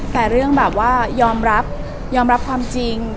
มีเรื่องยอมรับความจริง